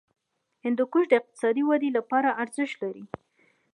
هندوکش د اقتصادي ودې لپاره ارزښت لري.